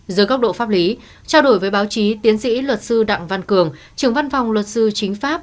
dưới góc độ pháp lý trao đổi với báo chí tiến sĩ luật sư đặng văn cường trưởng văn phòng luật sư chính pháp